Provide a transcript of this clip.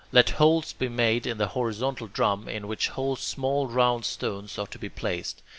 Let holes be made in the horizontal drum, in which holes small round stones are to be placed.